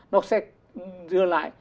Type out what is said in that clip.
nó sẽ đưa lại